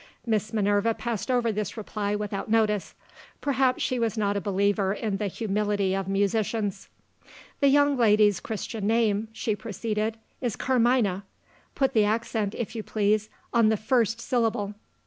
Miss Minerva passed over this reply without notice. Perhaps she was not a believer in the humility of musicians. "The young lady's Christian name," she proceeded, "is Carmina; (put the accent, if you please, on the first syllable).